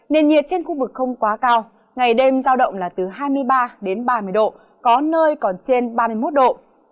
nền nhiệt trên khu vực không quá cao ngày đêm giao động là từ hai mươi ba đến ba mươi độ có nơi còn trên ba mươi một độ